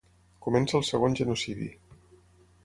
Comença el segon genocidi.